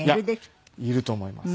いると思います。